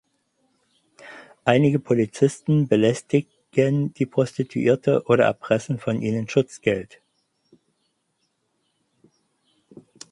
Einige Polizisten belästigen die Prostituierte oder erpressen von ihnen Schutzgeld.